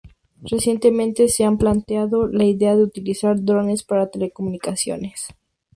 Recientemente se ha planteado la idea de utilizar drones para telecomunicaciones.